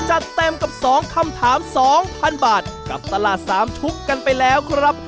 จัดเต็มกับ๒คำถาม๒๐๐๐บาทกับตลาดสามชุบกันไปแล้วครับ